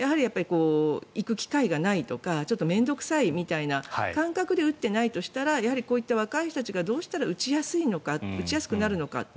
行く機会がないとかちょっと面倒臭いみたいな感覚で打ってないとしたらやはりこういった若い人たちがどうしたら打ちやすくなるのか。